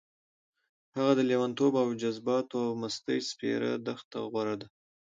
هغه د لېونتوب او جذباتو او مستۍ سپېره دښته غوره ده.